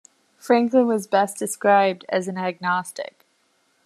Franklin was best described as an agnostic.